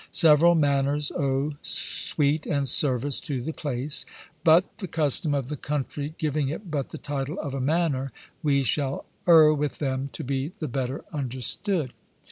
Severall mannors owe suite and service to the place; but the custom of the countrey giving it but the title of a mannor, we shall erre with them to be the better understood.